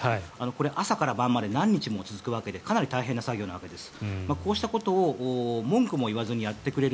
これ、朝から晩まで何日も続くわけでかなり大変な作業なわけです。